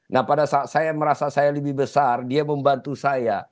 nah pada saat saya merasa saya lebih besar dia membantu saya